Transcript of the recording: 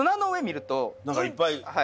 何かいっぱい。